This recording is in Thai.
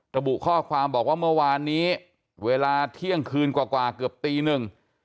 ระบุข้อความบอกว่าเมื่อวานนี้เวลาเที่ยงคืนกว่ากว่าเกือบตีหนึ่ง